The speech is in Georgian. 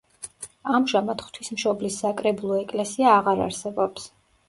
ამჟამად ღვთისმშობლის საკრებულო ეკლესია აღარ არსებობს.